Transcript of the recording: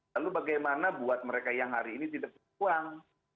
lalu bagaimana buat mereka yang hari ini tidak punya uang